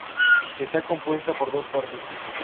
Está compuesta por dos partes.